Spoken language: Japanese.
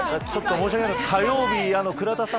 申し訳ないけど火曜日倉田さん